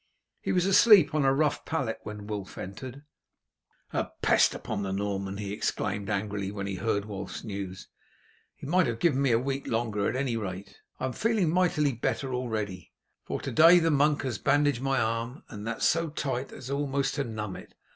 He was asleep on a rough pallet when Wulf entered. "A pest upon the Norman!" he exclaimed angrily when he heard Wulf's news. "He might have given me a week longer at any rate. I am feeling mightily better already, for to day the monk has bandaged my arm, and that so tight as almost to numb it.